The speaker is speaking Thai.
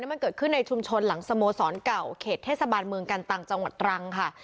มันเกิดขึ้นในชุมชนหลังสโมสรเก่าเขตเทศบาลเมืองกันตังจังหวัดตรังค่ะ